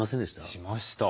しました。